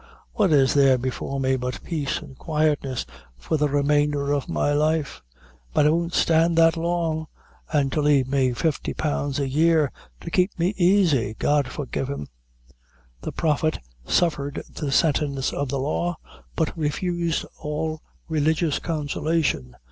What is there before me but peace and quietness for the remainder of my life? but I won't stand that long an' to lave me fifty pounds a year, to kape me aisy! God forgive him!" The Prophet suffered the sentence of the law, but refused all religious consolation.